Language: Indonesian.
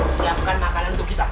siapkan makanan untuk kita